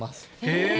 へえ！